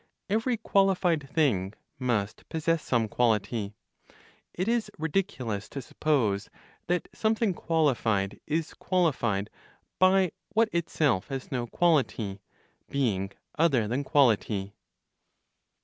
Every qualified thing must possess some quality. It is ridiculous to suppose that something qualified is qualified by what itself has no quality, being other than quality.